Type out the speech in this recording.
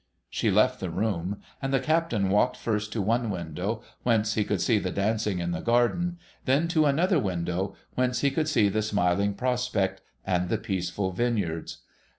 She left the room ; and the Captain walked, first to one window, whence he could see the dancing in the garden, then to another window, whence he could see the smiling prospect and the peaceful vineyards.